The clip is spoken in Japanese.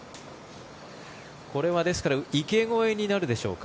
これは池越えになるでしょうか。